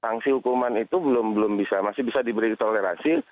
sanksi hukuman itu belum bisa masih bisa diberi toleransi